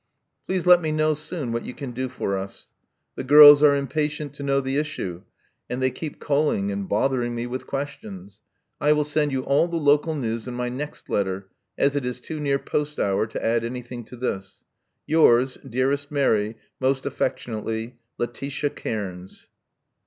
Please let me*know soon what you can do for us: the girls are impatient to know the issue, and they keep calling and bothering me with questions. I will send you all the local news in my next letter, as it is too near post hour to add anything to this. — Yours, dearest Mary, most affectionately. Letitia Cairns."